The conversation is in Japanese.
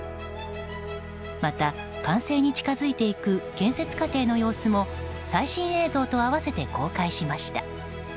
また、完成に近づいていく建設過程の様子も最新映像と合わせて公開しました。